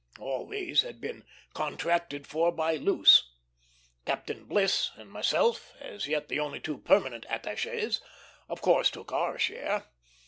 All these had been contracted for by Luce. Captain Bliss and myself, as yet the only two permanent attachés, of course took our share.